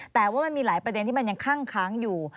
แต่ว่ามันมีหลายประเด็นที่มันยังคั่งค้างอยู่